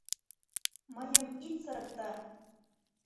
Мыйым ит сырыкте.